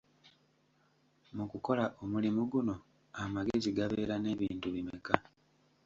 Mu kukola omulimu guno amagezi gabeera n'ebintu bimeka?